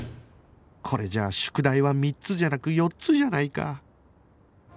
これじゃあ宿題は３つじゃなく４つじゃないか